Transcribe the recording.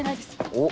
おっ。